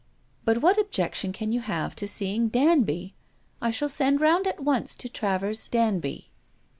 But what objection can you have to seeing Danby ? I shall send round at once to Travers Danby."